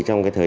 thực chất thì